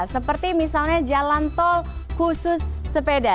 seperti misalnya jalan tol khusus sepeda